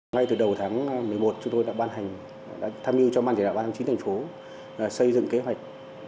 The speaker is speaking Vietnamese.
ngay từ đầu tháng một mươi một chúng tôi đã tham dự cho ban chỉ đạo ban chính thành phố xây dựng kế hoạch